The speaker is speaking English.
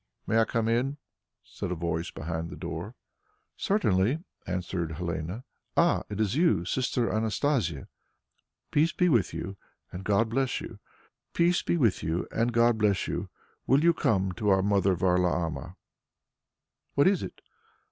"May I come in?" said a voice behind the door. "Certainly," answered Helene. "Ah, it is you, Sister Athanasia." "Peace be with you, and God bless you; will you come to our Mother Varlaama." "What is it?"